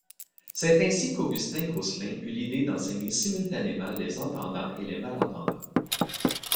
C'est ainsi que Augustin Grosselin eut l'idée d'enseigner simultanément les entendants et les malentendants.